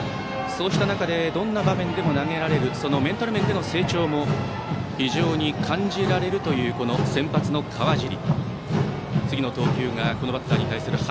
そうした中でどんな場面でも投げられるそのメンタル面での成長も非常に感じられるというこの先発の川尻。